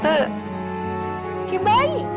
kamu tau kenapa gue gak suka